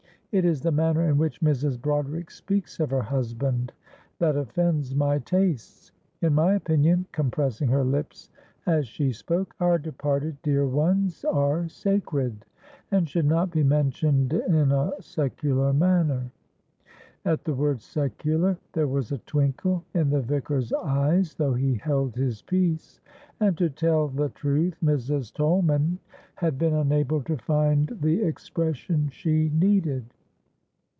"It is the manner in which Mrs. Broderick speaks of her husband that offends my tastes. In my opinion" compressing her lips as she spoke "our departed dear ones are sacred, and should not be mentioned in a secular manner." At the word "secular" there was a twinkle in the Vicar's eyes, though he held his peace. And to tell the truth, Mrs. Tolman had been unable to find the expression she needed.